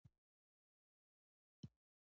افغانستان د د ریګ دښتې د ترویج لپاره پروګرامونه لري.